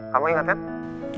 kamu ingat kan